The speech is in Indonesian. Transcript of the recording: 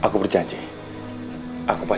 gedis jangan khawatir